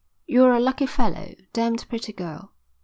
"You're a lucky fellow. Damned pretty girl."